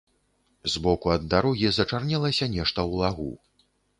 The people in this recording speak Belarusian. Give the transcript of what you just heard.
З боку ад дарогі зачарнелася нешта ў лагу.